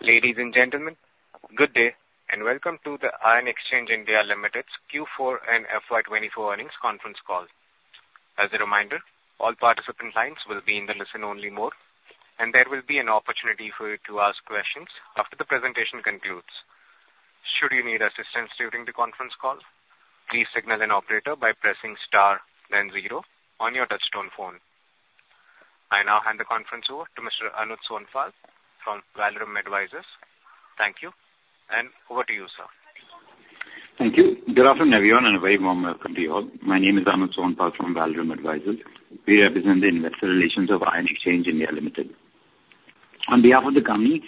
Ladies and gentlemen, good day and welcome to the Ion Exchange (India) Limited's Q4 and FY 2024 earnings conference call. As a reminder, all participant lines will be in the listen only mode, and there will be an opportunity for you to ask questions after the presentation concludes. Should you need assistance during the conference call, please signal an operator by pressing star then zero on your touchtone phone. I now hand the conference over to Mr. Anuj Sonpal from Valorem Advisors. Thank you, and over to you, sir. Thank you. Good afternoon, everyone, and a very warm welcome to you all. My name is Anuj Sonpal from Valorem Advisors. We represent the investor relations of Ion Exchange (India) Limited. On behalf of the company,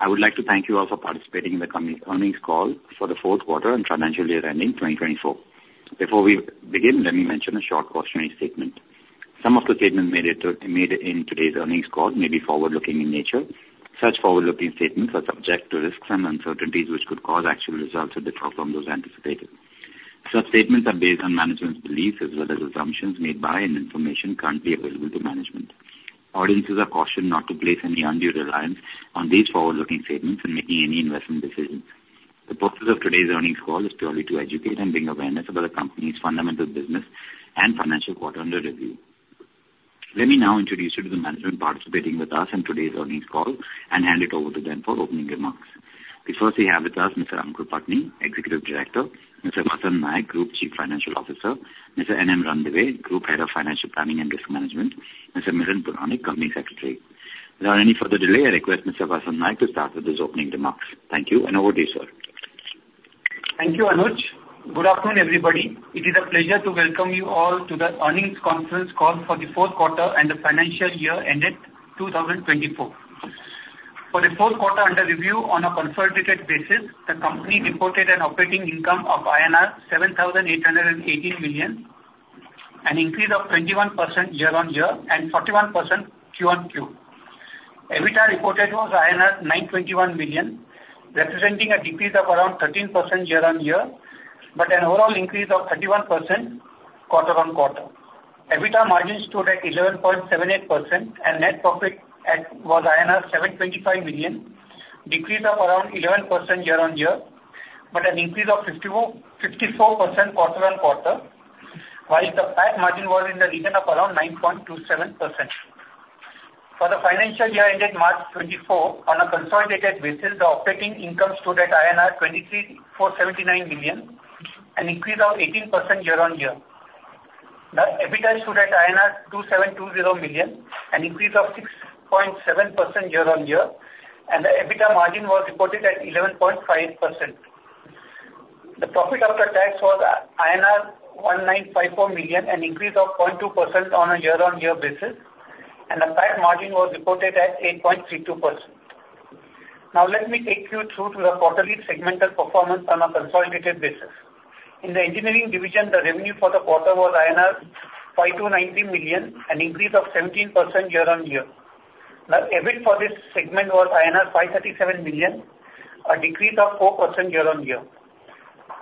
I would like to thank you all for participating in the company's earnings call for the fourth quarter and financial year ending 2024. Before we begin, let me mention a short cautionary statement. Some of the statements made in today's earnings call may be forward-looking in nature. Such forward-looking statements are subject to risks and uncertainties which could cause actual results to differ from those anticipated. Such statements are based on management's beliefs as well as assumptions made by and information currently available to management. Audiences are cautioned not to place any undue reliance on these forward-looking statements when making any investment decisions. The purpose of today's earnings call is purely to educate and bring awareness about the company's fundamental business and financial quarter under review. Let me now introduce you to the management participating with us in today's earnings call and hand it over to them for opening remarks. First, we have with us Mr. Aankur Patni, Executive Director, Mr. Vasant Naik, Group Chief Financial Officer, Mr. N. M. Ranadive, Group Head of Financial Planning and Risk Management, Mr. Milind Puranik, Company Secretary. Without any further delay, I request Mr. Vasant Naik to start with his opening remarks. Thank you, and over to you, sir. Thank you, Anuj. Good afternoon, everybody. It is a pleasure to welcome you all to the earnings conference call for the fourth quarter and the financial year ended 2024. For the fourth quarter under review on a consolidated basis, the company reported an operating income of INR 7,818 million, an increase of 21% year-on-year and 41% Q-on-Q. EBITDA reported was INR 921 million, representing a decrease of around 13% year-on-year, but an overall increase of 31% quarter-on-quarter. EBITDA margin stood at 11.78%, and net profit was 725 million, a decrease of around 11% year-on-year, but an increase of 54% quarter-on-quarter, while the PAT margin was in the region of around 9.27%. For the financial year ended March 2024, on a consolidated basis, the operating income stood at INR 2,479 million, an increase of 18% year-on-year. The EBITDA stood at INR 2,720 million, an increase of 6.7% year-on-year, and the EBITDA margin was reported at 11.5%. The profit after tax was INR 1,954 million, an increase of 0.2% on a year-on-year basis, and the PAT margin was reported at 8.32%. Let me take you through to the quarterly segmental performance on a consolidated basis. In the engineering division, the revenue for the quarter was INR 5,290 million, an increase of 17% year-on-year. The EBIT for this segment was INR 537 million, a decrease of 4% year-on-year.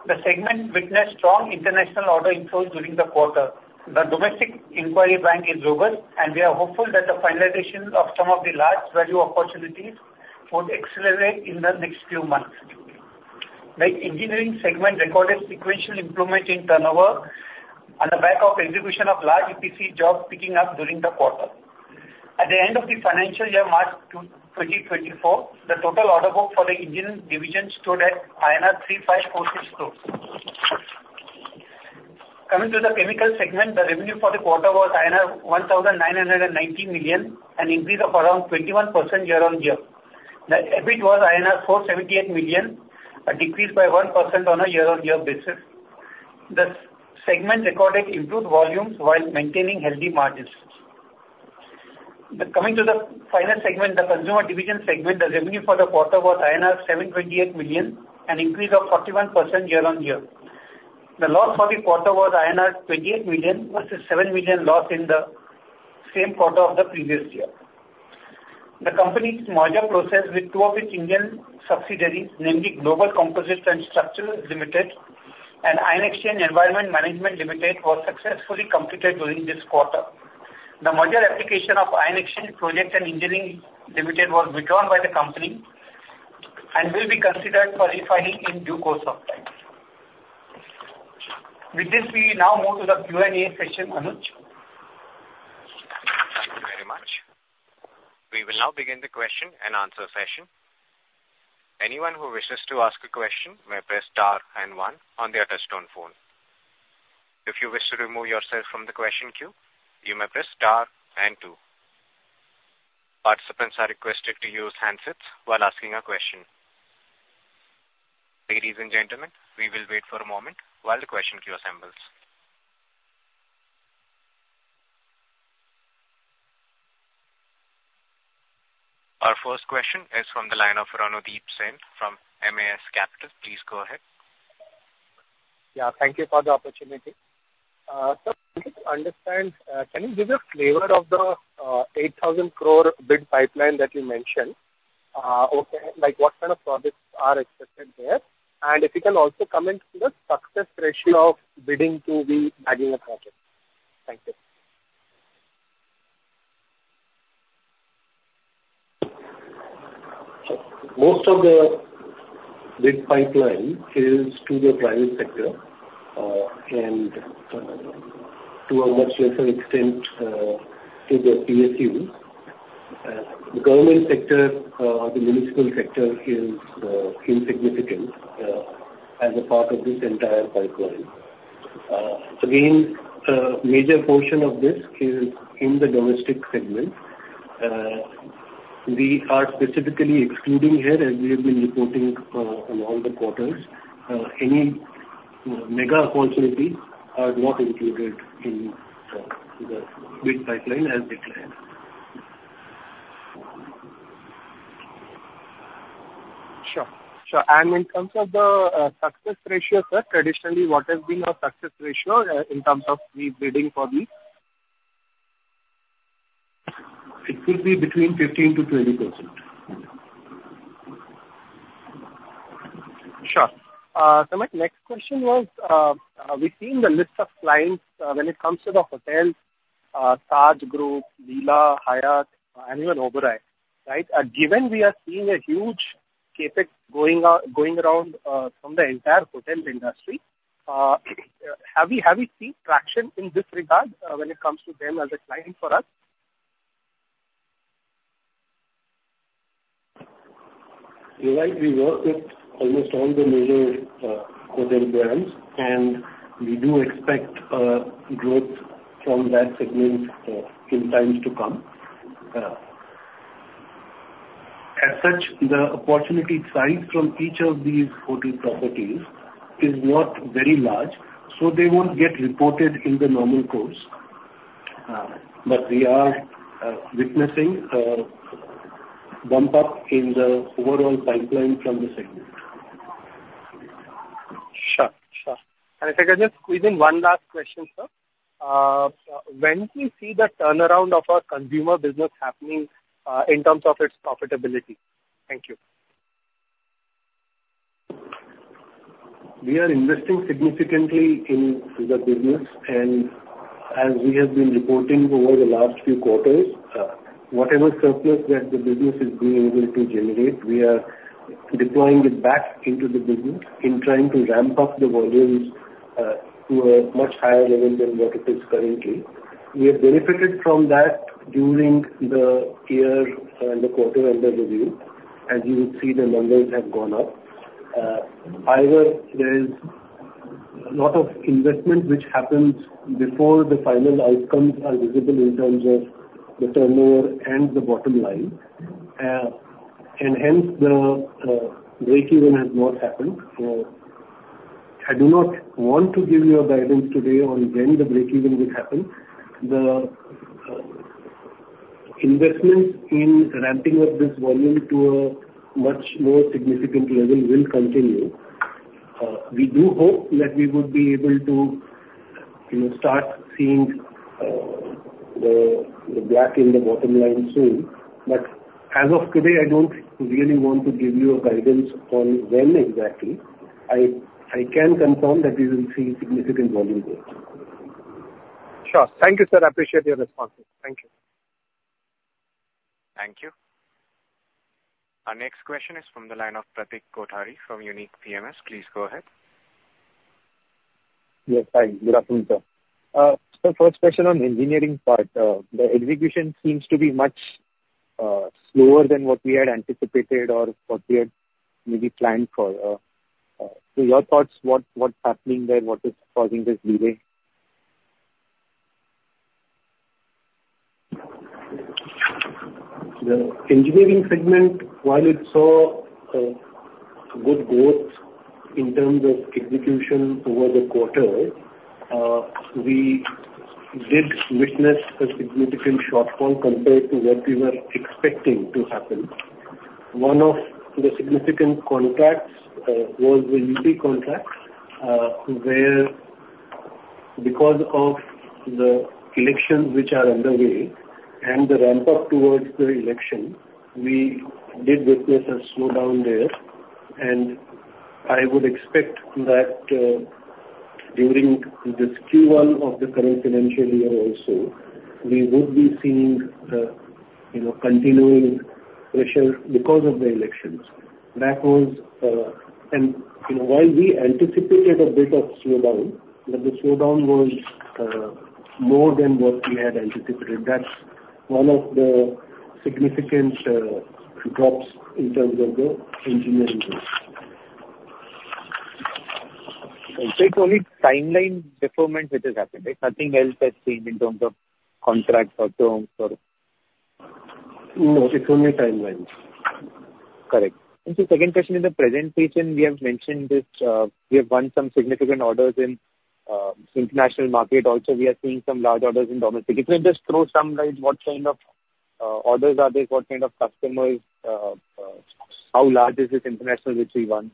The segment witnessed strong international order inflows during the quarter. The domestic inquiry bank is robust, and we are hopeful that the finalization of some of the large value opportunities would accelerate in the next few months. The engineering segment recorded sequential improvement in turnover on the back of execution of large EPC jobs picking up during the quarter. At the end of the financial year, March 2024, the total order book for the engineering division stood at INR 3,546 crores. Coming to the chemical segment, the revenue for the quarter was INR 1,990 million, an increase of around 21% year-on-year. The EBIT was INR 478 million, a decrease by 1% on a year-on-year basis. The segment recorded improved volumes while maintaining healthy margins. Coming to the final segment, the consumer division segment, the revenue for the quarter was 728 million, an increase of 41% year-on-year. The loss for the quarter was 28 million versus 7 million loss in the same quarter of the previous year. The company's merger process with two of its Indian subsidiaries, namely Global Composites and Structures Limited and Ion Exchange Environment Management Limited, was successfully completed during this quarter. The merger application of Ion Exchange Projects and Engineering Limited was withdrawn by the company and will be considered for refiling in due course of time. With this, we now move to the Q&A session. Anuj. Thank you very much. We will now begin the question and answer session. Anyone who wishes to ask a question may press star and one on their touchtone phone. If you wish to remove yourself from the question queue, you may press star and two. Participants are requested to use handsets while asking a question. Ladies and gentlemen, we will wait for a moment while the question queue assembles. Our first question is from the line of Randeep Singh from MAS Capital. Please go ahead. Yeah, thank you for the opportunity. Sir, we need to understand, can you give a flavor of the 8,000 crore bid pipeline that you mentioned? Like what kind of projects are expected there? If you can also comment on the success ratio of bidding to the bagging a project. Thank you. Most of the bid pipeline is to the private sector, and to a much lesser extent, to the PSUs. The government sector, the municipal sector is insignificant as a part of this entire pipeline. Again, a major portion of this is in the domestic segment. We are specifically excluding here, as we have been reporting along the quarters. Any mega opportunities are not included in the bid pipeline as declared. Sure. In terms of the success ratio, sir, traditionally, what has been our success ratio in terms of the bidding for these? It could be between 15%-20%. Sure. My next question was, we've seen the list of clients when it comes to the hotels, Taj Group, Leela, Hyatt, and even Oberoi, right? Given we are seeing a huge CapEx going around from the entire hotel industry, have we seen traction in this regard when it comes to them as a client for us? You're right. We work with almost all the major hotel brands, we do expect growth from that segment in times to come. As such, the opportunity size from each of these hotel properties is not very large, so they won't get reported in the normal course. We are witnessing a bump up in the overall pipeline from this segment. Sure. If I can just squeeze in one last question, sir. When do you see the turnaround of our consumer business happening in terms of its profitability? Thank you. We are investing significantly in the business, as we have been reporting over the last few quarters, whatever surplus that the business is being able to generate, we are deploying it back into the business in trying to ramp up the volumes to a much higher level than what it is currently. We have benefited from that during the year and the quarter under review. As you would see, the numbers have gone up. However, there is a lot of investment which happens before the final outcomes are visible in terms of the turnover and the bottom line. Hence, the breakeven has not happened. I do not want to give you a guidance today on when the breakeven will happen. The investment in ramping up this volume to a much more significant level will continue. We do hope that we would be able to start seeing the black in the bottom line soon. As of today, I don't really want to give you a guidance on when exactly. I can confirm that we will see significant volume growth. Sure. Thank you, sir. I appreciate your responses. Thank you. Thank you. Our next question is from the line of Pratik Kothari from Unique PMS. Please go ahead. Yes. Hi. Good afternoon, sir. First question on engineering part. The execution seems to be much slower than what we had anticipated or what we had maybe planned for. Your thoughts, what's happening there? What is causing this delay? The engineering segment, while it saw a good growth in terms of execution over the quarter, we did witness a significant shortfall compared to what we were expecting to happen. One of the significant contracts was the UP contracts, where because of the elections which are underway and the ramp up towards the election, we did witness a slowdown there. I would expect that during this Q1 of the current financial year also, we would be seeing continuing pressure because of the elections. While we anticipated a bit of slowdown, but the slowdown was more than what we had anticipated. That's one of the significant drops in terms of the engineering growth. It's only timeline deferment which has happened, right? Nothing else has changed in terms of contract terms or No, it's only timelines. Correct. Sir, second question, in the presentation, we have mentioned this, we have won some significant orders in international market. Also, we are seeing some large orders in domestic. If you can just throw some light, what kind of orders are they? What kind of customers? How large is this international which we won?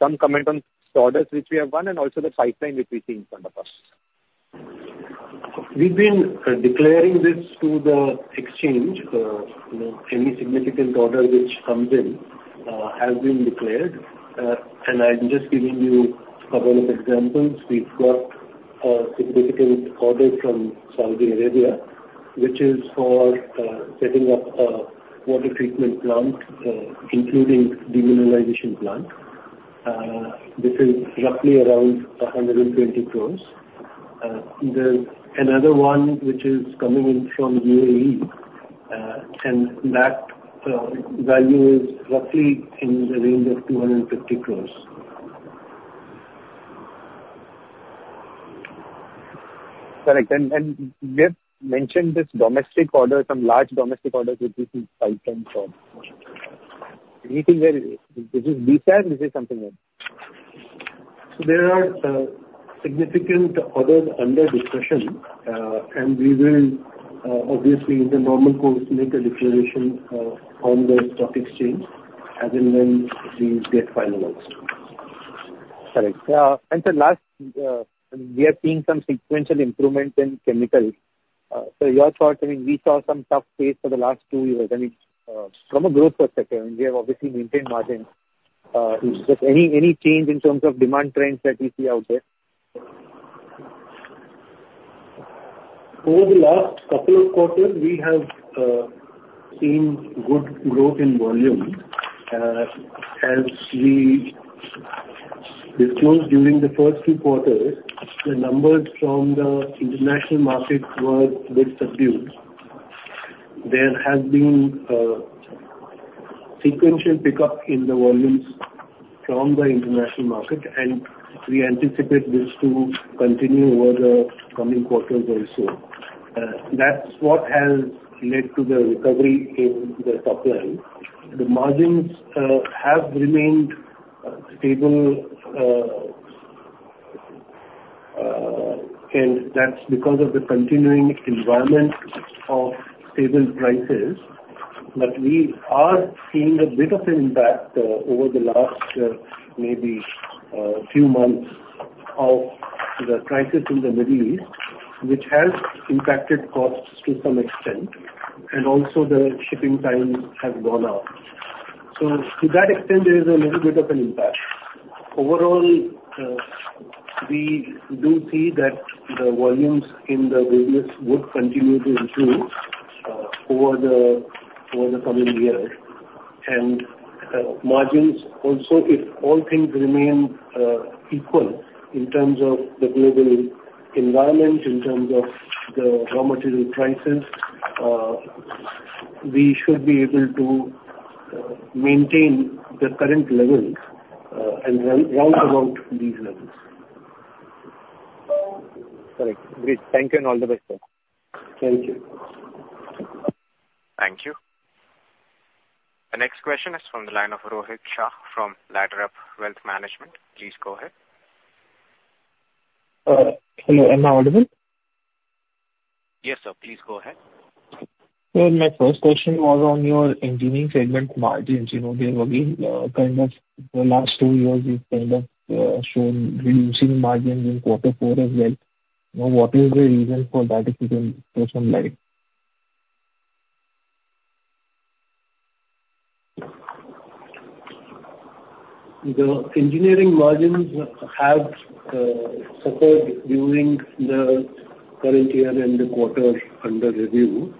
Some comment on orders which we have won and also the pipeline which we see in front of us. We've been declaring this to the exchange, any significant order which comes in. Have been declared. I'm just giving you a couple of examples. We've got a significant order from Saudi Arabia, which is for setting up a water treatment plant, including demineralization plant. This is roughly around 120 crore. There's another one which is coming in from UAE, and that value is roughly in the range of 250 crore. Correct. You have mentioned this domestic order, some large domestic orders, which you said comes from anything where Is this BPAT? Is this something else? There are significant orders under discussion, and we will obviously, in the normal course, make a declaration on the stock exchange as and when we get finalized. Correct. Sir, last, we are seeing some sequential improvements in chemicals. Sir, your thoughts? I mean, we saw some tough phase for the last two years. I mean, from a growth perspective, we have obviously maintained margins. Is there any change in terms of demand trends that you see out there? Over the last couple of quarters, we have seen good growth in volume. As we disclosed during the first quarter, the numbers from the international markets were a bit subdued. There has been a sequential pickup in the volumes from the international market, and we anticipate this to continue over the coming quarters also. That's what has led to the recovery in the top line. The margins have remained stable and that's because of the continuing environment of stable prices. We are seeing a bit of impact over the last maybe few months of the crisis in the Middle East, which has impacted costs to some extent, and also the shipping times have gone up. To that extent, there is a little bit of an impact. Overall, we do see that the volumes in the resins would continue to improve over the coming years. Margins also, if all things remain equal in terms of the global environment, in terms of the raw material prices we should be able to maintain the current levels and round about these levels. Correct. Great. Thank you and all the best, sir. Thank you. Thank you. The next question is from the line of Rohit Shah from Ladderup Wealth Management. Please go ahead. Hello, am I audible? Yes, sir. Please go ahead. Sir, my first question was on your engineering segment margins. They're again, kind of the last two years, we've kind of shown reducing margins in quarter four as well. What is the reason for that if you can throw some light? The engineering margins have suffered during the current year and the quarter under review.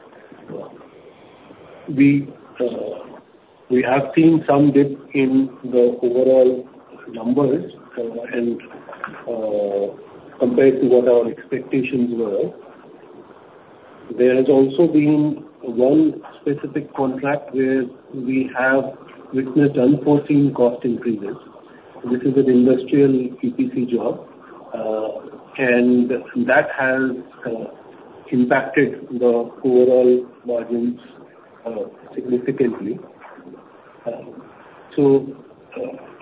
We have seen some dip in the overall numbers and compared to what our expectations were. There has also been one specific contract where we have witnessed unforeseen cost increases. This is an industrial EPC job, and that has impacted the overall margins significantly.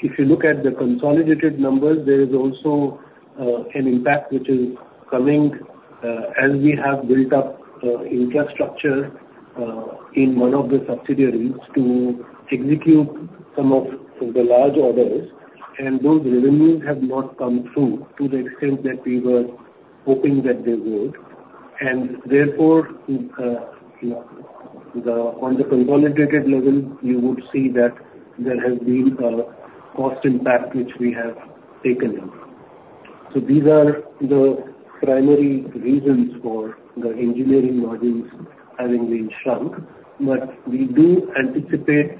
If you look at the consolidated numbers, there is also an impact which is coming as we have built up infrastructure in one of the subsidiaries to execute some of the large orders, and those revenues have not come through to the extent that we were hoping that they would. Therefore, on the consolidated level, you would see that there has been a cost impact which we have taken in. These are the primary reasons for the engineering margins having been shrunk. We do anticipate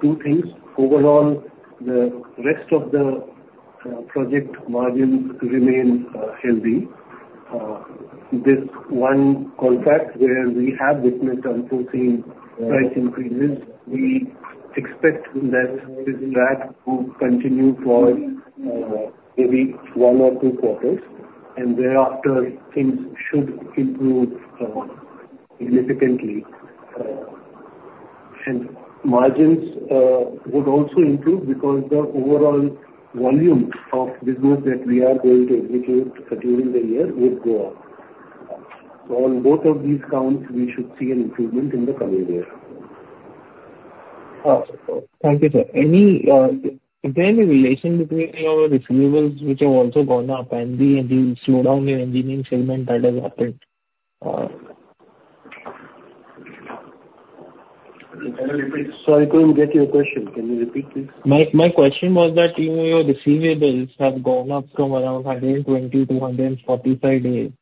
two things. Overall, the rest of the project margins remain healthy. This one contract where we have witnessed unforeseen price increases, we expect that this drag will continue for maybe one or two quarters, and thereafter things should improve significantly. Margins would also improve because the overall volume of business that we are going to execute during the year would go up. On both of these counts, we should see an improvement in the coming years. Thank you, sir. Is there any relation between your receivables which have also gone up and the slowdown in engineering segment that has happened? Can you repeat? Sorry, couldn't get your question. Can you repeat, please? My question was that your receivables have gone up from around 120 to 145 days. Is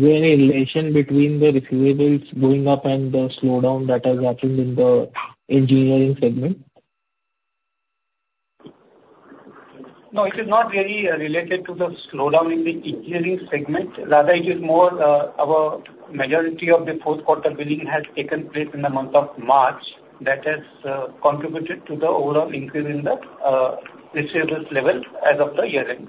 there a relation between the receivables going up and the slowdown that has happened in the engineering segment? No, it is not really related to the slowdown in the engineering segment. Rather, it is more our majority of the fourth quarter billing has taken place in the month of March. That has contributed to the overall increase in the receivables level as of the year-end.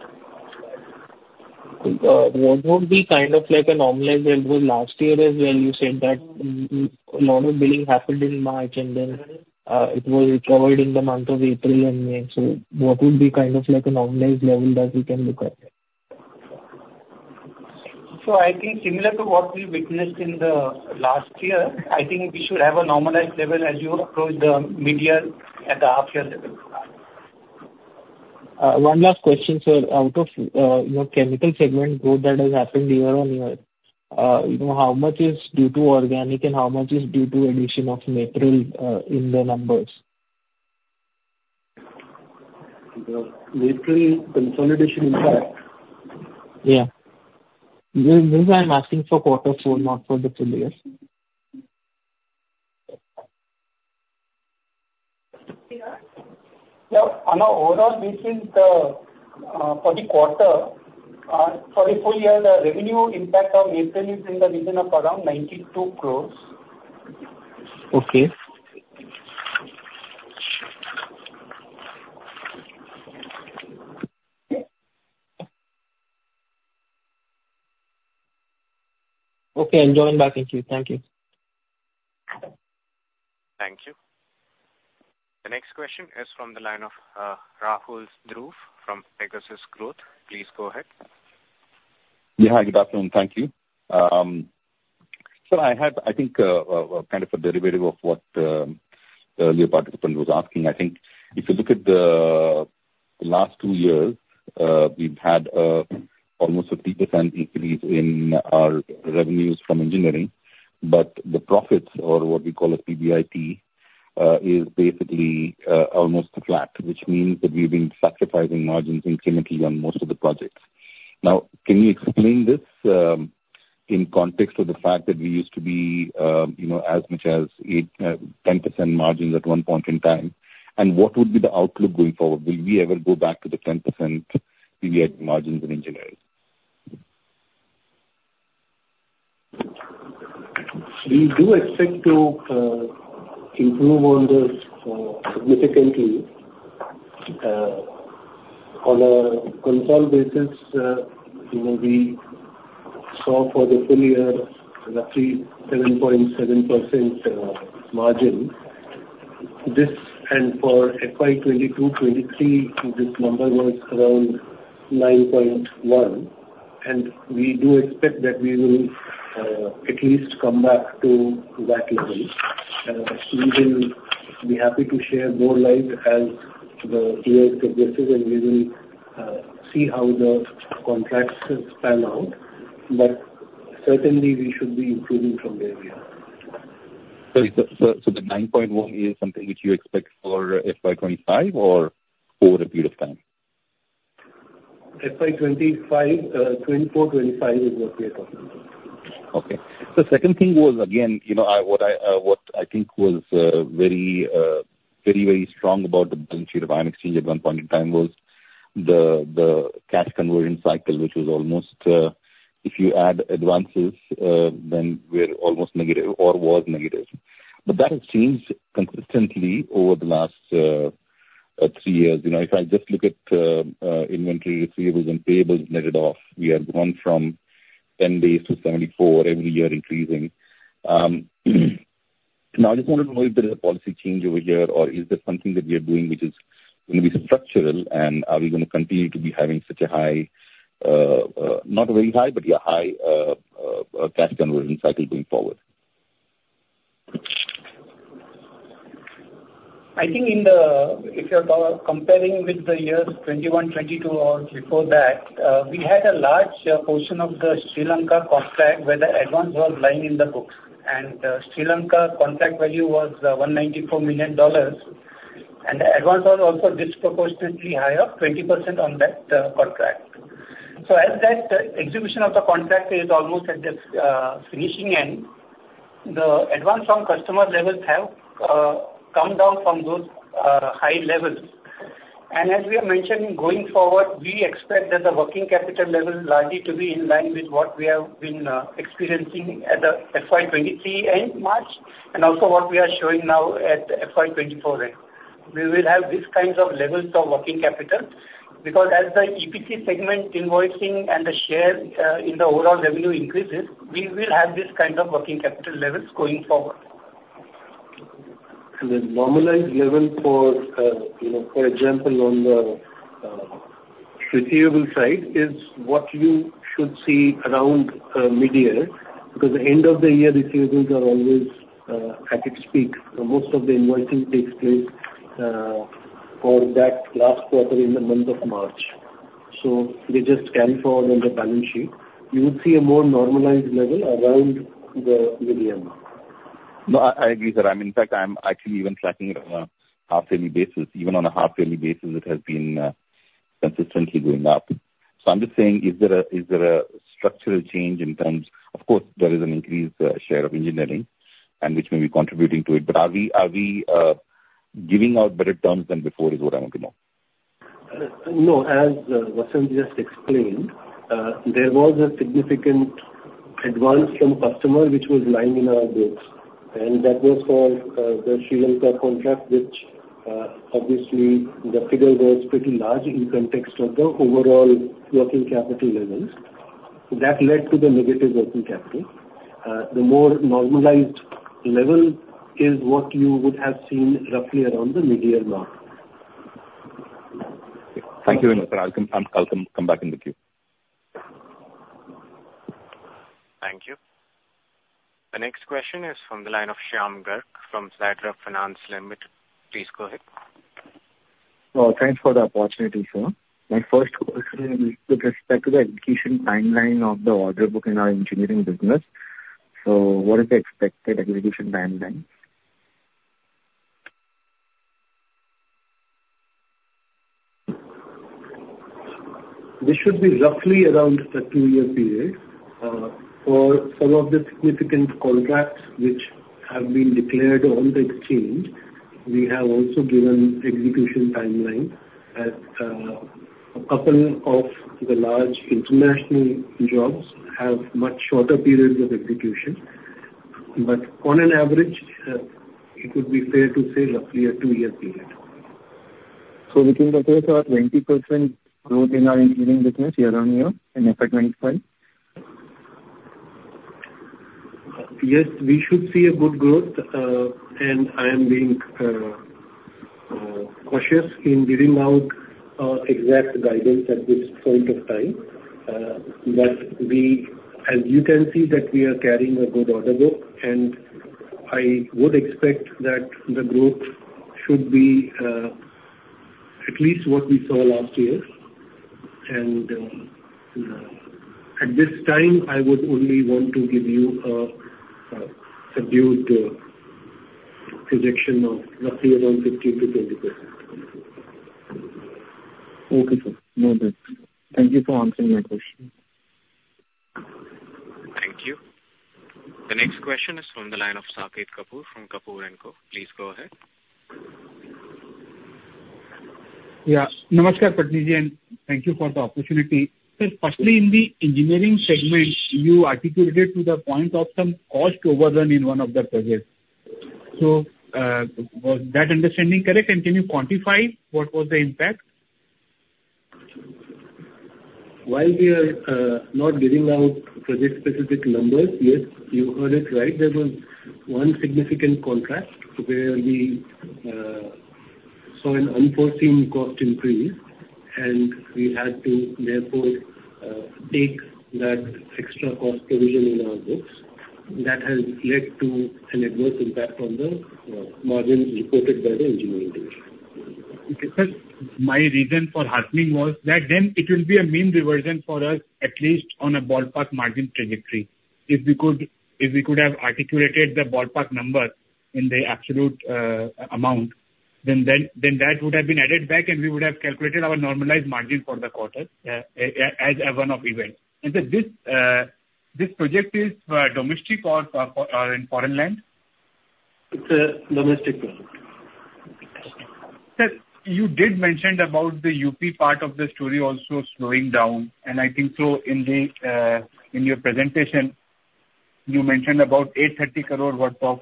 What would be a normalized level? Last year as well, you said that a lot of billing happened in March, and then it recovered in the months of April and May. What would be a normalized level that we can look at? I think similar to what we witnessed in the last year, I think we should have a normalized level as you approach the mid-year at the half-year level. One last question, sir. Out of your chemical segment growth that has happened year-on-year, how much is due to organic, and how much is due to addition of MAPRIL in the numbers? MAPRIL consolidation impact. Yeah. This I'm asking for quarter four, not for the full year. Yeah. On our overall, for the quarter, sorry, full year, the revenue impact of MAPRIL is in the region of around 92 crores. Okay. Okay. Joining back in queue. Thank you. Thank you. The next question is from the line of Rahul Dhruv from Pegasus Growth. Please go ahead. Yeah. Good afternoon. Thank you. Sir, I had, I think, kind of a derivative of what the earlier participant was asking. I think if you look at the last two years, we've had almost a 3% increase in our revenues from engineering, but the profits, or what we call a PBIT, is basically almost flat, which means that we've been sacrificing margins incrementally on most of the projects. Now, can you explain this in context of the fact that we used to be as much as 10% margins at one point in time? What would be the outlook going forward? Will we ever go back to the 10% PBIT margins in engineering? We do expect to improve on this significantly. On a consolidated basis, we saw for the full year roughly 7.7% margin. For FY 2022, 2023, this number was around 9.1%. We do expect that we will at least come back to that level. We will be happy to share more light as the year progresses, and we will see how the contracts pan out. Certainly, we should be improving from where we are. Sorry. The 9.1 is something which you expect for FY 2025 or over a period of time? FY 2024, 2025 is what we are talking about. Okay. The second thing was, again, what I think was very strong about the balance sheet of Ion Exchange at one point in time was the cash conversion cycle, which was almost, if you add advances, then we're almost negative or was negative. That has changed consistently over the last three years. If I just look at inventory receivables and payables netted off, we have gone from 10 days to 74, every year increasing. I just wanted to know if there is a policy change over here or is there something that we are doing which is going to be structural, and are we going to continue to be having such a high, not very high, but yeah, high cash conversion cycle going forward? I think if you're comparing with the years 2021, 2022, or before that, we had a large portion of the Sri Lanka contract where the advance was lying in the books, and the Sri Lanka contract value was $194 million. The advance was also disproportionately higher, 20% on that contract. As that execution of the contract is almost at the finishing end, the advance from customer levels have come down from those high levels. As we have mentioned, going forward, we expect that the working capital level largely to be in line with what we have been experiencing at the FY 2023 end March, and also what we are showing now at FY 2024 end. We will have these kinds of levels of working capital because as the EPC segment invoicing and the share in the overall revenue increases, we will have this kind of working capital levels going forward. The normalized level, for example, on the receivable side, is what you should see around mid-year because end of the year receivables are always at its peak. Most of the invoicing takes place for that last quarter in the month of March. They just cancel on the balance sheet. You would see a more normalized level around the mid-year mark. No, I agree, sir. In fact, I'm actually even tracking it on a half yearly basis. Even on a half yearly basis, it has been consistently going up. I'm just saying, is there a structural change in terms Of course, there is an increased share of engineering, and which may be contributing to it, but are we giving out better terms than before, is what I want to know. No. As Vasanti just explained, there was a significant advance from customer which was lying in our books, and that was for the Sri Lanka contract, which obviously the figure was pretty large in context of the overall working capital levels. The more normalized level is what you would have seen roughly around the mid-year mark. Thank you very much, sir. I'll come back in the queue. Thank you. The next question is from the line of Shyam Garg from Sandrap Finance Limited. Please go ahead. Well, thanks for the opportunity, sir. My first question is with respect to the execution timeline of the order book in our engineering business. What is the expected execution timeline? This should be roughly around a two-year period. For some of the significant contracts which have been declared on the exchange, we have also given execution timeline as a couple of the large international jobs have much shorter periods of execution. On an average, it would be fair to say roughly a two-year period. Can we expect a 20% growth in our engineering business year-on-year in effect 95? Yes, we should see a good growth, and I am being cautious in giving out exact guidance at this point of time. As you can see that we are carrying a good order book, and I would expect that the growth should be at least what we saw last year. At this time, I would only want to give you a subdued projection of roughly around 15%-20%. Okay, sir. No worries. Thank you for answering my question. Thank you. The next question is from the line of Saket Kapoor from Kapoor and Company. Please go ahead. Yeah. Namaskar, Pattani ji, and thank you for the opportunity. Sir, firstly, in the engineering segment, you articulated to the point of some cost overrun in one of the projects. Was that understanding correct? Can you quantify what was the impact? While we are not giving out project-specific numbers, yes, you heard it right. There was one significant contract where we saw an unforeseen cost increase, and we had to therefore take that extra cost provision in our books. That has led to an adverse impact on the margin reported by the engineering division. Okay. Sir, my reason for asking was that it will be a mean reversion for us, at least on a ballpark margin trajectory. If we could have articulated the ballpark number in the absolute amount, that would have been added back, we would have calculated our normalized margin for the quarter as a one-off event. Sir, this project is domestic or in foreign land? It's a domestic project. Sir, you did mention about the UP part of the story also slowing down, I think so in your presentation, you mentioned about 830 crore worth of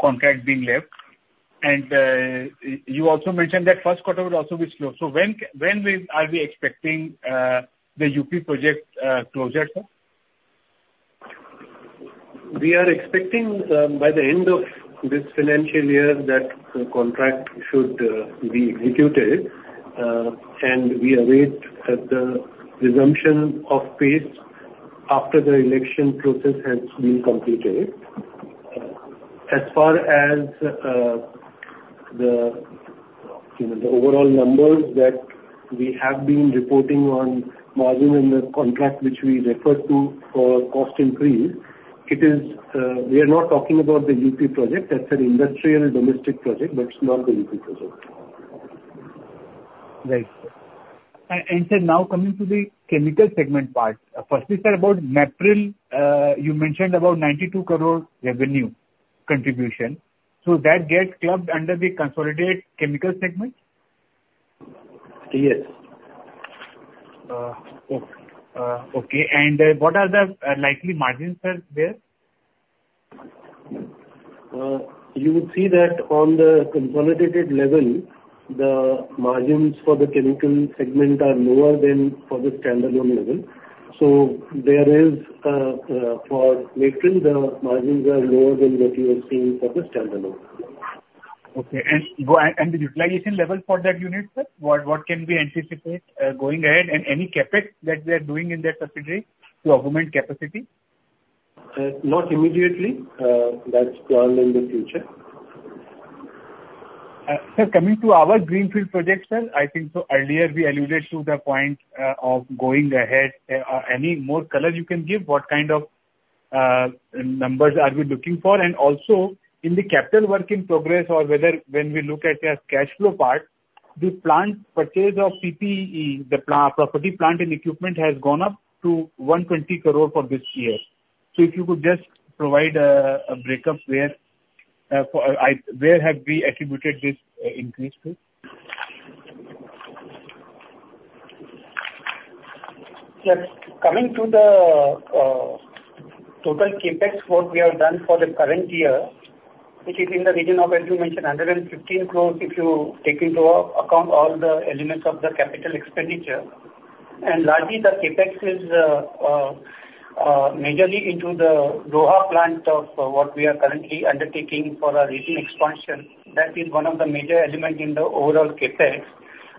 contract being left. You also mentioned that first quarter will also be slow. When are we expecting the UP project closure, sir? We are expecting by the end of this financial year that contract should be executed, and we await the resumption of pace after the election process has been completed. As far as the overall numbers that we have been reporting on margin in the contract which we referred to for cost increase, we are not talking about the UP project. That's an industrial domestic project, but it's not the UP project. Right. Sir, now coming to the chemical segment part. Firstly, sir, about MAPRIL, you mentioned about 92 crore revenue contribution. That gets clubbed under the consolidated chemical segment? Yes. Okay. What are the likely margins, sir, there? You would see that on the consolidated level, the margins for the chemical segment are lower than for the standalone level. There is, for MAPRIL, the margins are lower than what you are seeing for the standalone. Okay. The utilization level for that unit, sir? What can we anticipate going ahead, any CapEx that they're doing in that subsidiary to augment capacity? Not immediately. That's planned in the future. Sir, coming to our greenfield projects, I think earlier we alluded to the point of going ahead. Any more color you can give, what kind of numbers are we looking for? Also in the capital work in progress or whether when we look at the cash flow part, the plant purchase of PPE, the property, plant, and equipment has gone up to 120 crore for this year. If you could just provide a breakup where have we attributed this increase to. Yes. Coming to the total CapEx what we have done for the current year, which is in the region of, as you mentioned, 115 crore if you take into account all the elements of the capital expenditure. Largely the CapEx is majorly into the Roha plant of what we are currently undertaking for our retail expansion. That is one of the major elements in the overall CapEx.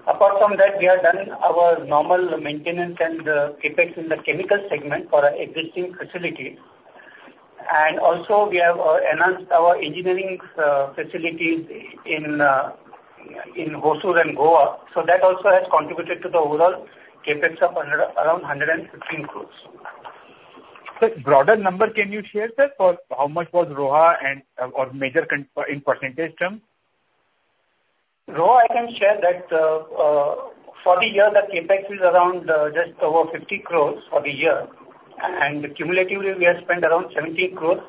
Apart from that, we have done our normal maintenance and CapEx in the chemical segment for our existing facility. Also we have enhanced our engineering facilities in Hosur and Goa. That also has contributed to the overall CapEx of around 115 crore. Sir, broader number can you share, sir, for how much was Roha or major in % terms? Roha, I can share that for the year, the CapEx is around just over 50 crore for the year, and cumulatively, we have spent around 17 crore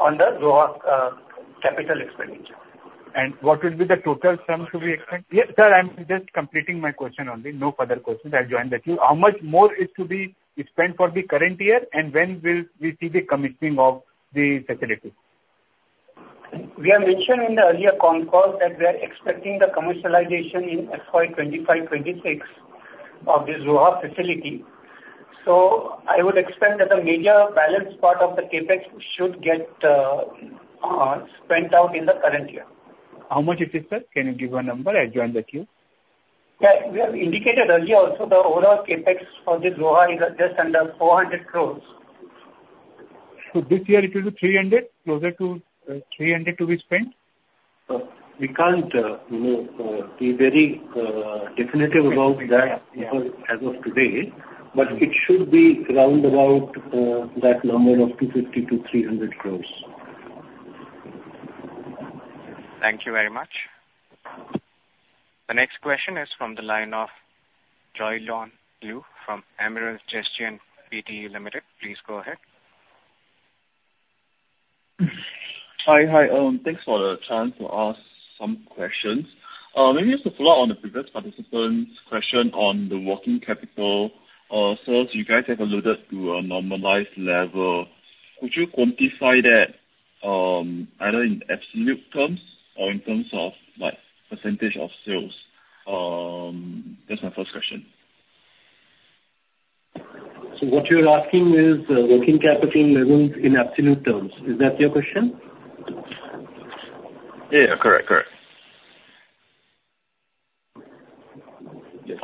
on the Roha capital expenditure. What will be the total sum to be spent? Sir, I'm just completing my question only. No further questions. I'll join the queue. How much more is to be spent for the current year, and when will we see the commissioning of the facility? We have mentioned in the earlier con call that we are expecting the commercialization in FY 2025, 2026 of this Roha facility. I would expect that the major balance part of the CapEx should get spent out in the current year. How much is it, sir? Can you give a number? I join the queue. We have indicated earlier also the overall CapEx for this Roha is just under 400 crore. This year it will be 300, closer to 300 to be spent? We can't be very definitive about that as of today, but it should be round about that number of 250 crores-300 crores. Thank you very much. The next question is from the line of Joy Leon Lu from Amarillo Gestione PD Limited. Please go ahead. Hi. Thanks for the chance to ask some questions. Maybe just to follow on the previous participant's question on the working capital. You guys have alluded to a normalized level. Could you quantify that, either in absolute terms or in terms of percentage of sales? That's my first question. What you're asking is the working capital levels in absolute terms. Is that your question? Yeah. Correct. Yes.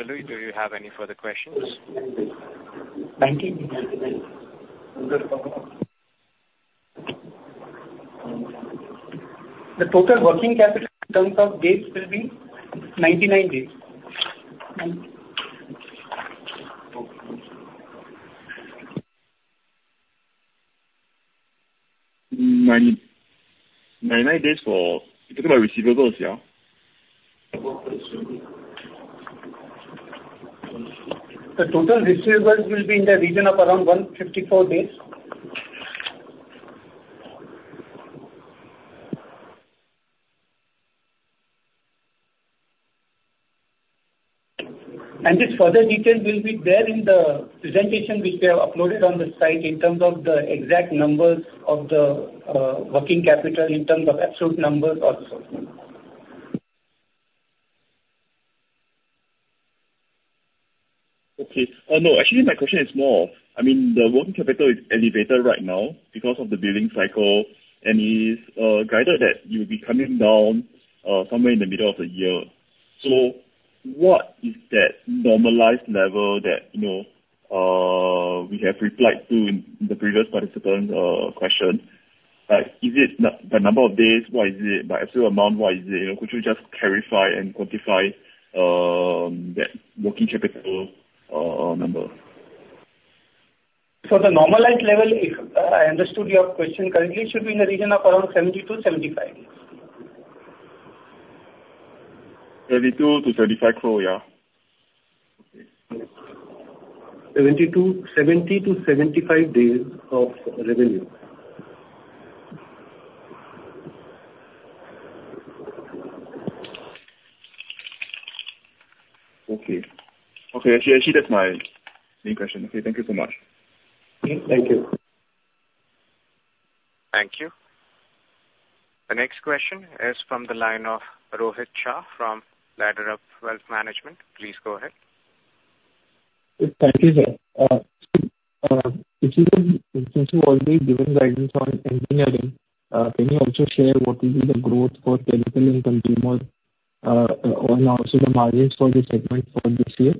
Mr. Lu, do you have any further questions? Ninety. The total working capital in terms of days will be 99 days. 99 days for, you're talking about receivables, yeah? The total receivables will be in the region of around 154 days. This further detail will be there in the presentation which we have uploaded on the site in terms of the exact numbers of the working capital in terms of absolute numbers also. Okay. No, actually my question is more. The working capital is elevated right now because of the billing cycle and is guided that you'll be coming down somewhere in the middle of the year. What is that normalized level that we have replied to in the previous participant question? Is it by number of days? What is it, by absolute amount? What is it? Could you just clarify and quantify that working capital number? The normalized level, if I understood your question correctly, it should be in the region of around 70 to 75. 72 crore-75 crore, yeah. 70 to 75 days of revenue. Okay. Actually, that's my main question. Okay, thank you so much. Thank you. Thank you. The next question is from the line of Rohit Shah from LadderUp Wealth Management. Please go ahead. Thank you, sir. Since you've already given guidance on engineering, can you also share what will be the growth for technical and consumer Also the margins for the segment for this year.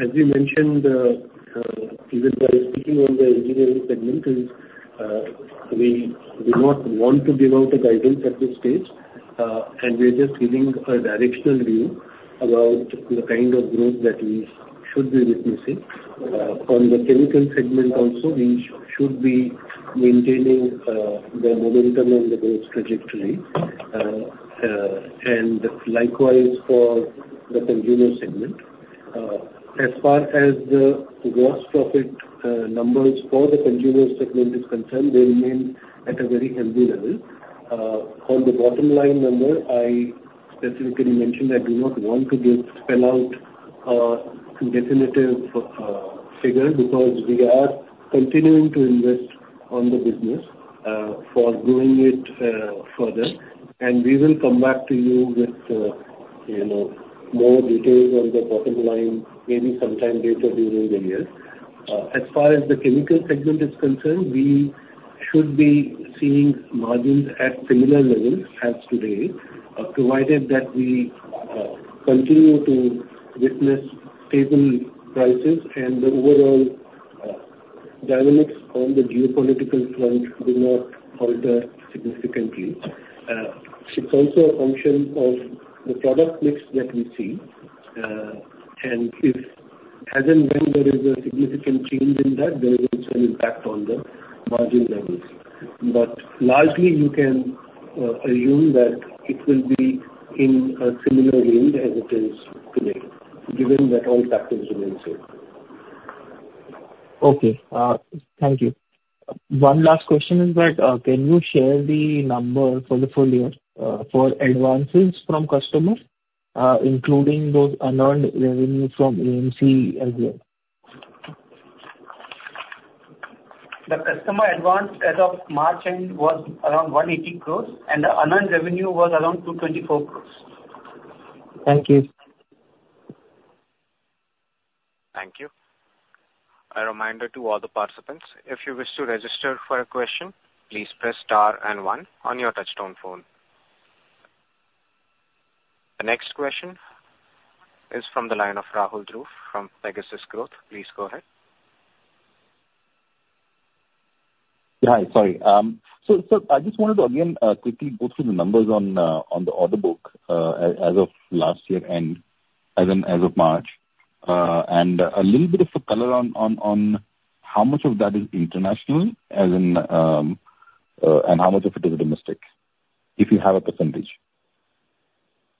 As we mentioned, even while speaking on the engineering segment is, we do not want to give out a guidance at this stage. We are just giving a directional view about the kind of growth that we should be witnessing. On the chemical segment also, we should be maintaining the momentum and the growth trajectory, and likewise for the consumer segment. As far as the gross profit numbers for the consumer segment is concerned, they remain at a very healthy level. On the bottom line number, I specifically mentioned I do not want to spell out a definitive figure because we are continuing to invest on the business for growing it further. We will come back to you with more details on the bottom line, maybe sometime later during the year. As far as the chemical segment is concerned, we should be seeing margins at similar levels as today, provided that we continue to witness stable prices and the overall dynamics on the geopolitical front do not alter significantly. It's also a function of the product mix that we see, and if as and when there is a significant change in that, there is also an impact on the margin levels. Largely you can assume that it will be in a similar range as it is today, given that all factors remain same. Okay. Thank you. One last question is that, can you share the number for the full year, for advances from customers, including those unearned revenues from AMC as well? The customer advance as of March end was around 180 crores, the unearned revenue was around 224 crores. Thank you. Thank you. A reminder to all the participants, if you wish to register for a question, please press star and one on your touchtone phone. The next question is from the line of Rahul Dhruv from Pegasus Growth. Please go ahead. Hi. Sorry. I just wanted to again, quickly go through the numbers on the order book as of last year end as of March. A little bit of a color on how much of that is international and how much of it is domestic, if you have a percentage.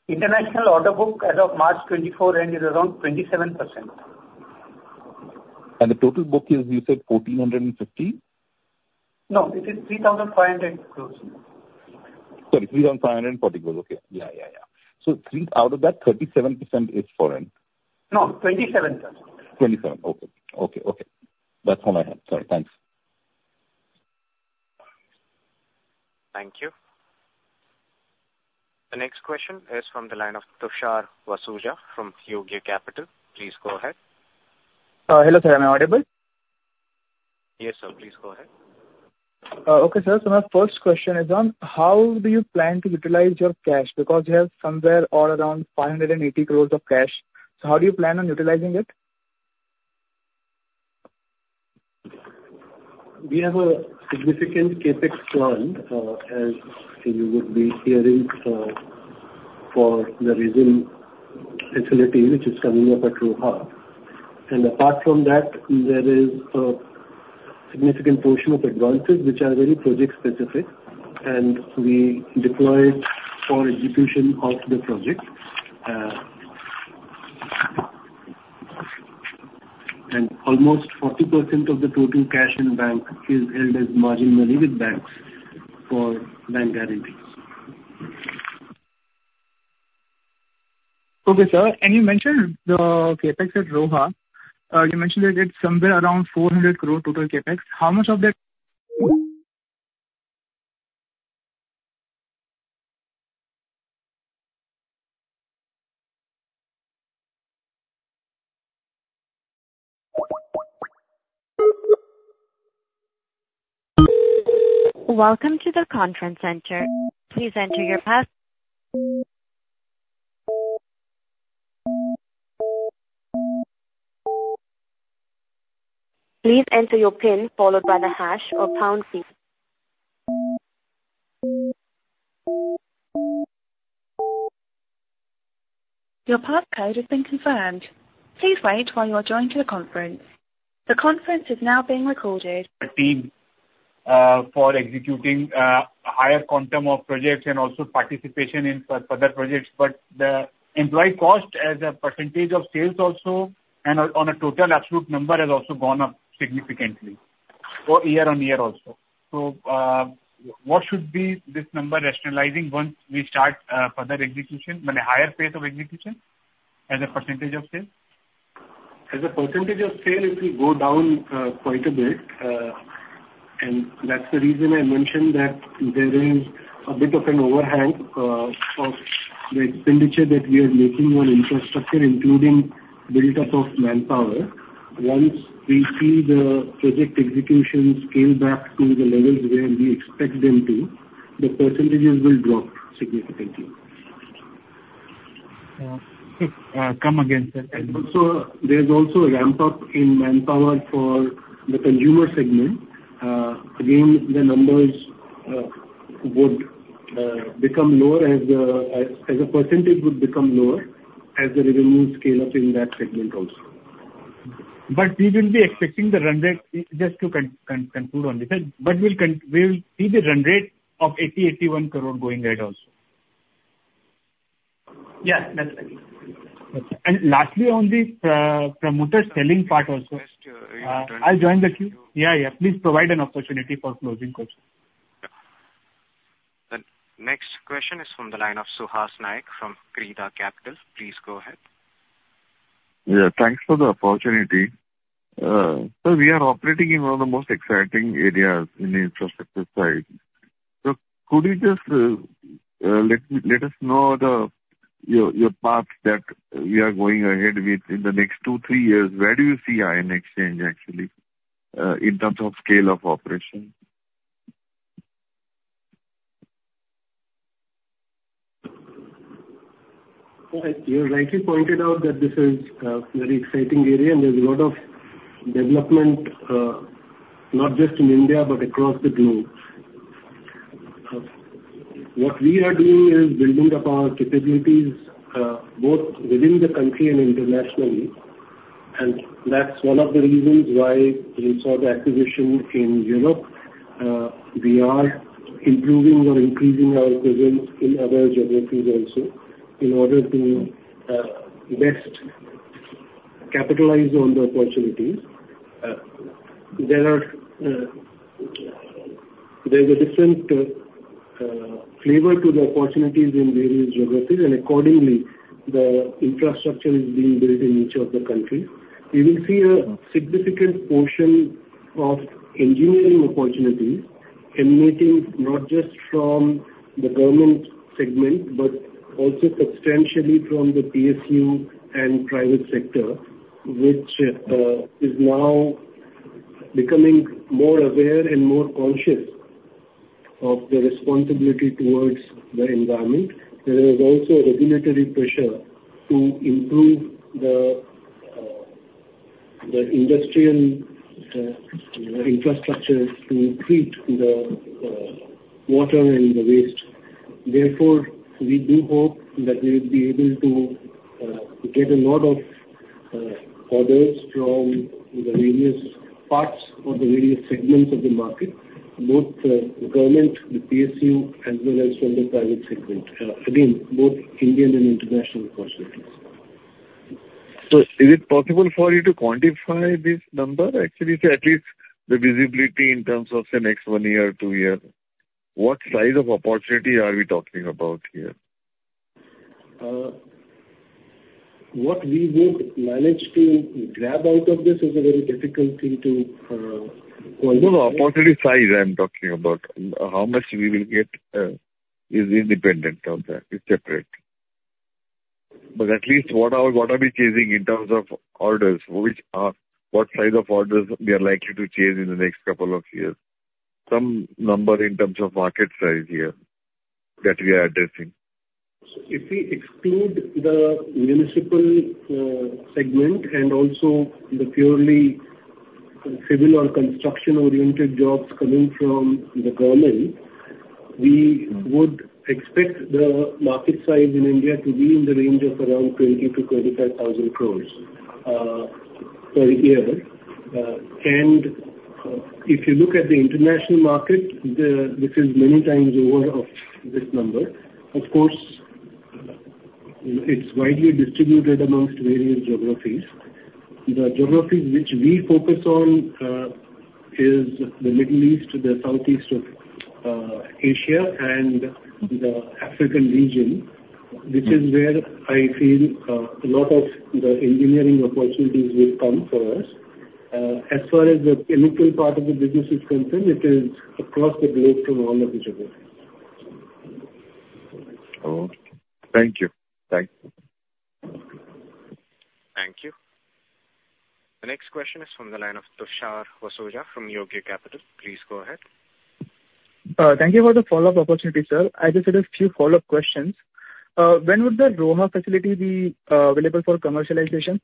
International order book as of March 2024 end is around 27%. The total book is, you said 1,450? No, it is 3,500 crores. Sorry, 3,540 crores. Okay. Yeah. Out of that, 37% is foreign. No, 27%. 27, okay. That's all I had. Sorry. Thanks. Thank you. The next question is from the line of Tushar Vasoja from YOGI Capital. Please go ahead. Hello, sir. Am I audible? Yes, sir. Please go ahead. Okay, sir. My first question is on how do you plan to utilize your cash? Because you have somewhere around 580 crores of cash. How do you plan on utilizing it? We have a significant CapEx plan, as you would be hearing, for the resin facility which is coming up at Roha. Apart from that, there is a significant portion of advances which are very project-specific, and we deploy it for execution of the project. Almost 40% of the total cash in bank is held as margin money with banks for bank guarantees. Okay, sir. You mentioned the CapEx at Roha. You mentioned that it's somewhere around 400 crore total CapEx. How much of that Welcome to the conference center. Please enter your pass Please enter your pin followed by the hash or pound key. Your pass code has been confirmed. Please wait while you are joined to the conference. The conference is now being recorded. Team, for executing a higher quantum of projects and also participation in further projects, the employee cost as a percentage of sales also and on a total absolute number has also gone up significantly year-on-year also. What should be this number rationalizing once we start further execution, higher pace of execution as a percentage of sales? As a percentage of sales, it will go down quite a bit. That's the reason I mentioned that there is a bit of an overhang of the expenditure that we are making on infrastructure, including build-up of manpower. Once we see the project execution scale back to the levels where we expect them to, the percentages will drop significantly. Yeah. Come again, sir. There's also a ramp-up in manpower for the consumer segment. Again, the numbers would become lower, as a percentage would become lower, as the revenues scale up in that segment also. We will be expecting the run rate, just to conclude on this end, we'll see the run rate of 80, 81 crore going ahead also? Yeah, that's right. Okay. Lastly, on the promoter selling part also. Just to I'll join the queue. Yeah. Please provide an opportunity for closing also. The next question is from the line of Suhas Naik from Creda Capital. Please go ahead. Yeah, thanks for the opportunity. Sir, we are operating in one of the most exciting areas in the infrastructure side. Could you just let us know your path that we are going ahead with in the next two, three years. Where do you see Ion Exchange actually, in terms of scale of operation? You rightly pointed out that this is a very exciting area, and there's a lot of development, not just in India but across the globe. What we are doing is building up our capabilities, both within the country and internationally. That's one of the reasons why we saw the acquisition in Europe. We are improving or increasing our presence in other geographies also in order to best capitalize on the opportunities. There's a different flavor to the opportunities in various geographies, and accordingly, the infrastructure is being built in each of the countries. You will see a significant portion of engineering opportunities emanating not just from the government segment, but also substantially from the PSU and private sector, which is now becoming more aware and more conscious of the responsibility towards the environment. There is also regulatory pressure to improve the industrial infrastructures to treat the water and the waste. We do hope that we will be able to get a lot of orders from the various parts or the various segments of the market, both the government, the PSU, as well as from the private segment. Again, both Indian and international opportunities. Is it possible for you to quantify this number? Actually, say at least the visibility in terms of say next one year or two year. What size of opportunity are we talking about here? What we would manage to grab out of this is a very difficult thing to qualify. No, opportunity size, I'm talking about. How much we will get is independent of that, it's separate. At least what are we chasing in terms of orders, what size of orders we are likely to chase in the next couple of years. Some number in terms of market size here that we are addressing. If we exclude the municipal segment and also the purely civil or construction-oriented jobs coming from the government, we would expect the market size in India to be in the range of around 20 thousand-25 thousand crores per year. If you look at the international market, this is many times over of this number. Of course, it is widely distributed amongst various geographies. The geographies which we focus on is the Middle East, Southeast Asia and the African region, which is where I feel a lot of the engineering opportunities will come for us. As far as the chemical part of the business is concerned, it is across the globe from all of the geographies. Okay. Thank you. Thank you. The next question is from the line of Tushar Vasoja from Yogi Capital. Please go ahead. Thank you for the follow-up opportunity, sir. I just had a few follow-up questions. When would the Roha facility be available for commercialization?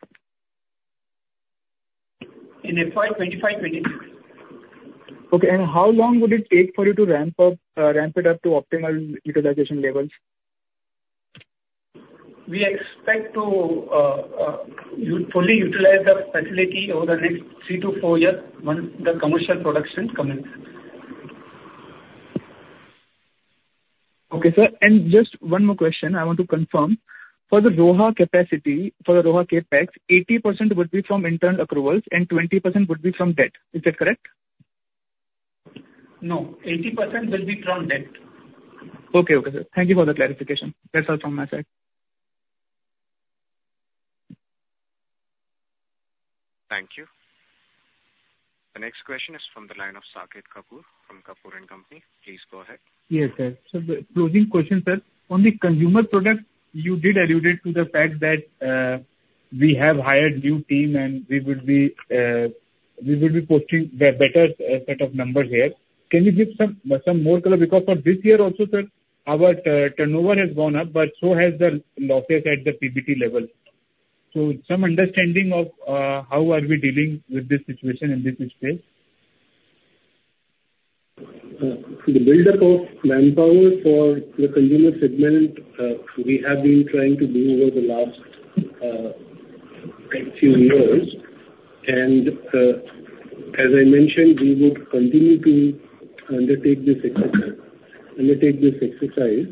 In FY 2025, 2026. Okay, how long would it take for you to ramp it up to optimal utilization levels? We expect to fully utilize the facility over the next three to four years once the commercial production commences. Okay, sir. Just one more question, I want to confirm. For the Roha capacity, for the Roha CapEx, 80% would be from internal accruals and 20% would be from debt. Is that correct? No, 80% will be from debt. Okay. Sir. Thank you for the clarification. That's all from my side. Thank you. The next question is from the line of Saket Kapoor from Kapoor and Company. Please go ahead. Yes, sir. The closing question, sir. On the consumer product, you did allude to the fact that we have hired new team and we will be posting the better set of numbers here. Can you give some more color? Because for this year also, sir, our turnover has gone up, but so has the losses at the PBT level. Some understanding of how are we dealing with this situation in this space. The buildup of manpower for the consumer segment, we have been trying to do over the last few years. As I mentioned, we would continue to undertake this exercise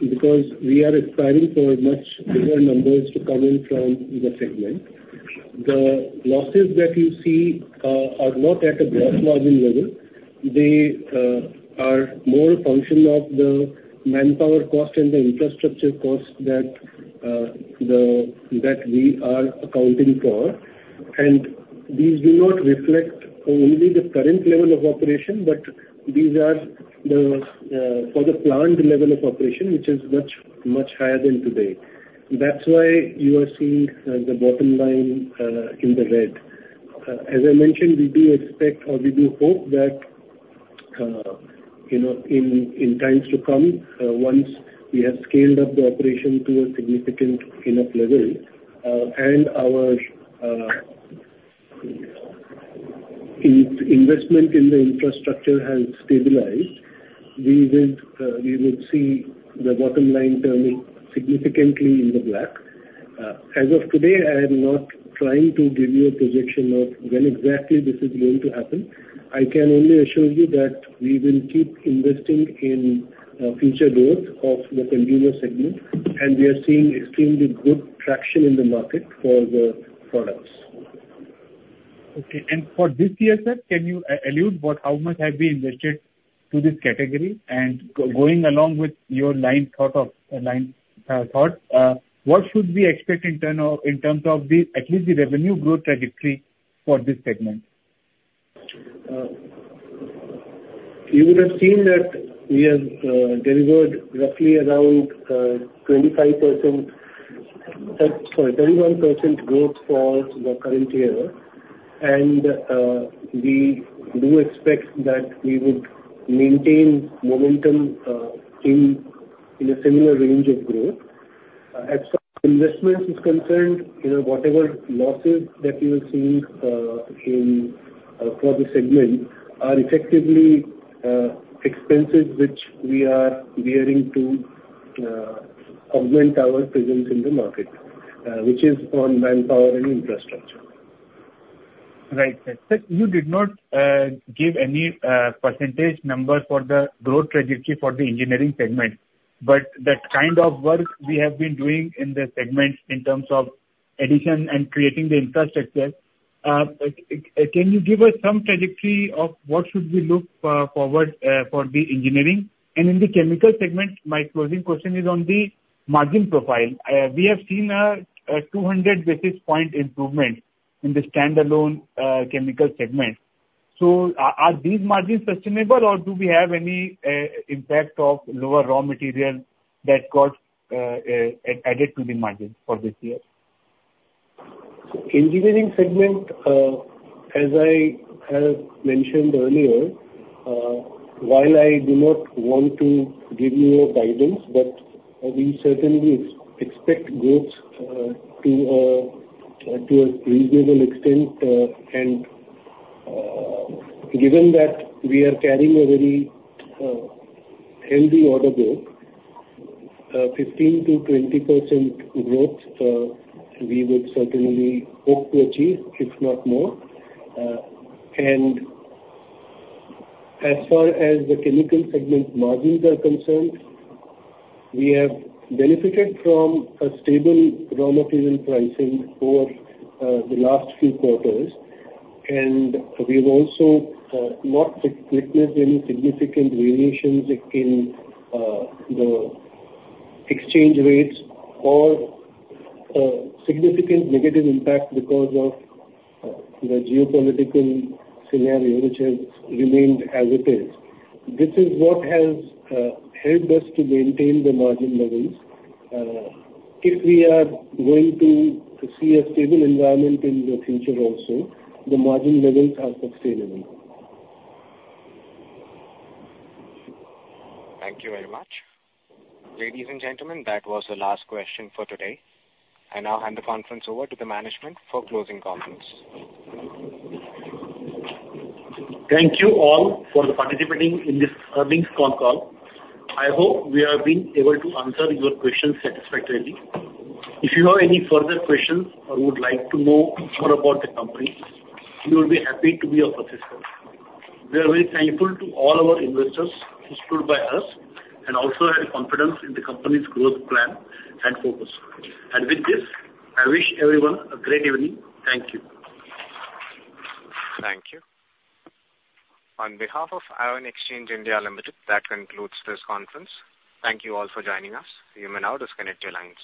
because we are aspiring for much bigger numbers to come in from the segment. The losses that you see are not at a gross margin level. They are more a function of the manpower cost and the infrastructure cost that we are accounting for. These do not reflect only the current level of operation, but these are for the planned level of operation, which is much higher than today. That's why you are seeing the bottom line in the red. As I mentioned, we do expect, or we do hope that, in times to come, once we have scaled up the operation to a significant enough level and our investment in the infrastructure has stabilized, we would see the bottom line turning significantly in the black. As of today, I am not trying to give you a projection of when exactly this is going to happen. I can only assure you that we will keep investing in future growth of the consumer segment, and we are seeing extremely good traction in the market for the products. For this year, sir, can you allude about how much have been invested to this category? Going along with your line of thought, what should we expect in terms of at least the revenue growth trajectory for this segment? You would have seen that we have delivered roughly around 21% growth for the current year. We do expect that we would maintain momentum in a similar range of growth. As far as investments is concerned, whatever losses that you are seeing for the segment are effectively expenses which we are bearing to augment our presence in the market, which is on manpower and infrastructure. Right. You did not give any percentage number for the growth trajectory for the engineering segment, but that kind of work we have been doing in the segment in terms of addition and creating the infrastructure. Can you give us some trajectory of what should we look forward for the engineering? In the chemical segment, my closing question is on the margin profile. We have seen a 200 basis point improvement in the standalone chemical segment. Are these margins sustainable or do we have any impact of lower raw material that got added to the margin for this year? Engineering segment, as I have mentioned earlier, while I do not want to give you a guidance, but we certainly expect growth to a reasonable extent. Given that we are carrying a very healthy order book, 15%-20% growth we would certainly hope to achieve, if not more. As far as the chemical segment margins are concerned, we have benefited from a stable raw material pricing for the last few quarters, and we've also not witnessed any significant variations in the exchange rates or significant negative impact because of the geopolitical scenario, which has remained as it is. This is what has helped us to maintain the margin levels. If we are going to see a stable environment in the future also, the margin levels are sustainable. Thank you very much. Ladies and gentlemen, that was the last question for today. I now hand the conference over to the management for closing comments. Thank you all for participating in this earnings call. I hope we have been able to answer your questions satisfactorily. If you have any further questions or would like to know more about the company, we will be happy to be of assistance. We are very thankful to all our investors who stood by us and also have confidence in the company's growth plan and focus. With this, I wish everyone a great evening. Thank you. Thank you. On behalf of Ion Exchange India Limited, that concludes this conference. Thank you all for joining us. You may now disconnect your lines.